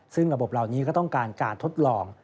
ซึ่งระบบเหล่านี้ก็ต้องการการทดลอง